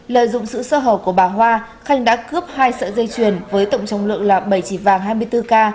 lợi dụng sự sơ hở của bà hoa khanh đã cướp hai sợi dây chuyền với tổng trọng lượng là bảy chỉ vàng hai mươi bốn k